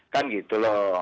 kan gitu lho